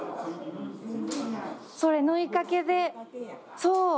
それ縫いかけで。